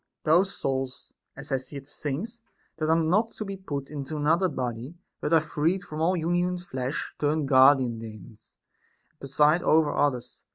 Those souls (as Hesiod sings) that are not to be put into another body, but are freed from all union with flesh, turn guardian Daemons and preside over others.